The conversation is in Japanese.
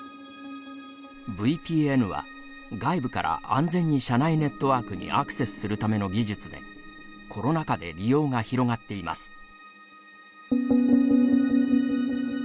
ＶＰＮは、外部から安全に社内ネットワークにアクセスするための技術でコロナ禍で利用が広がっています。